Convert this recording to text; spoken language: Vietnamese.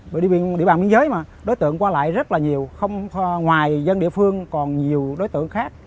bởi địa bàn biên giới mà đối tượng qua lại rất là nhiều không ngoài dân địa phương còn nhiều đối tượng khác